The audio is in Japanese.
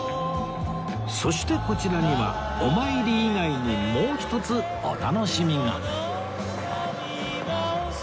そしてこちらにはお参り以外にもう一つお楽しみが